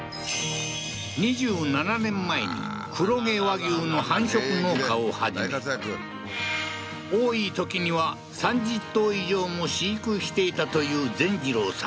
２７年前に黒毛和牛の繁殖農家を始め多い時には３０頭以上も飼育していたという善次郎さん